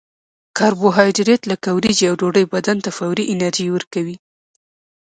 کاربوهایدریت لکه وریجې او ډوډۍ بدن ته فوري انرژي ورکوي